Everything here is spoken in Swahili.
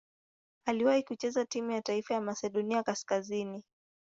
Aliwahi kucheza timu ya taifa ya Masedonia Kaskazini.